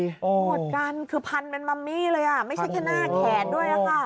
หมดกันคือพันเป็นอ่อนไหมเลยไม่ใช่แค่หน้าแข่ดด้วย